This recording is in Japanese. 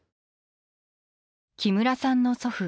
木村さんの祖父